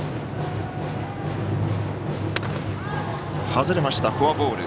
外れました、フォアボール。